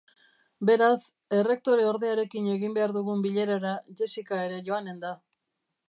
Beraz, errektoreordearekin egin behar dugun bilerara Jessica ere joanen da.